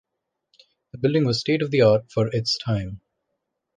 The building was state-of-the-art for its time.